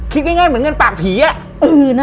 คิดง่ายเหมือนเงินปากผีอะ